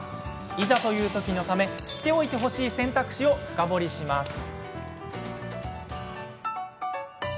いざという時のため知っておいてほしい選択肢を深掘りします。